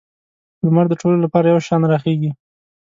لمر د ټولو لپاره یو شان راخیږي.